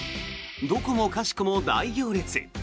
どこもかしこも大行列。